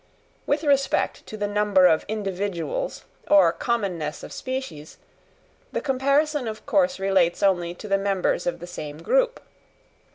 With respect to the number of individuals or commonness of species, the comparison of course relates only to the members of the same group.